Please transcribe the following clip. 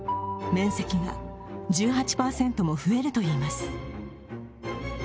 面積が１８％も増えるといいます。